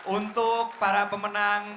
untuk para pemenang